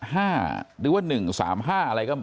๑๗๑๓๕หรือว่า๑๓๕อะไร